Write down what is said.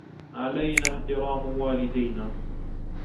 علينا احترام والدينا.